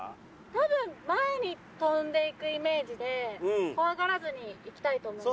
多分前に跳んでいくイメージで怖がらずにいきたいと思います。